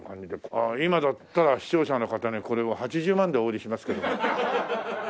今だったら視聴者の方にこれを８０万でお売りしますけども。